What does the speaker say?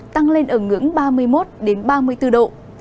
tăng lên ở ngưỡng ba mươi một ba mươi bốn độ